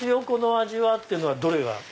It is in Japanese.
この味は！っていうのはどれが？